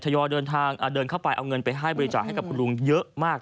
ทยอเดินเข้าไปเอาเงินไปให้บริจาคให้กับลุงเยอะมาก